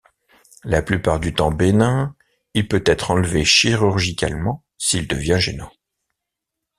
La plupart du temps bénin, il peut être enlevé chirurgicalement s'il devient gênant.